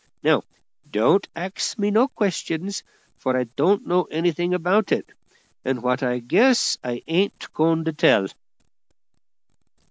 Now, don't axe me no questions, for I don't know anything about it, and what I guess I ain't going to tell."